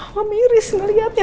mama miris ngeliatnya